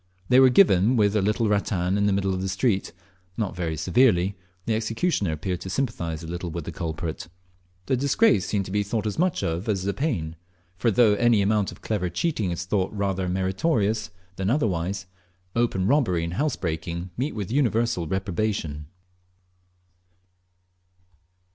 They were given with a small rattan in the middle of the street, not very severely, the executioner appeared to sympathise a little with the culprit. The disgrace seemed to be thought as much of as the pain; for though any amount of clever cheating is thought rather meritorious than otherwise, open robbery and housebreaking meet with universal reprobation.